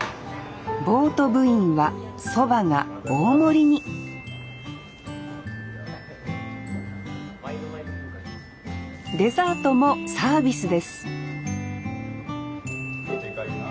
ボート部員はそばが大盛りにデザートもサービスです！